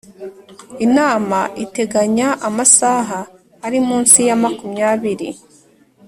Inama iteganya amasaha ari munsi ya makumyabiri